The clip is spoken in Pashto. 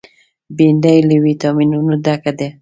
بېنډۍ له ویټامینونو ډکه ده